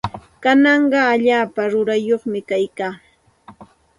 Kanaqa allaapa rurayyuqmi kaykaa.